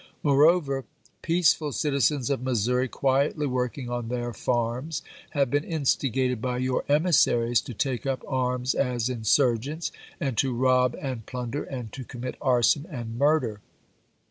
Moreover, peaceful citizens of Missouri, quietly working on their farms, have been instigated by your emissaries to take up arms as insurgents, and to rob and plunder and to commit arson and murder.